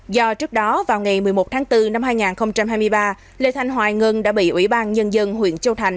do trước đó vào ngày một mươi một tháng bốn năm hai nghìn hai mươi ba lê thanh hoài ngân đã bị ủy ban nhân dân huyện châu thành